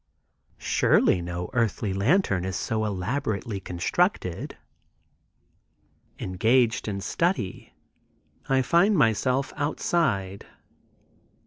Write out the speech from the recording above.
Surely no earthly lantern is so elaborately constructed. Engaged in study I find myself outside.